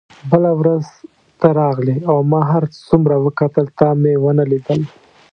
بله ورځ ته راغلې او ما هر څومره وکتل تا مې ونه لیدل.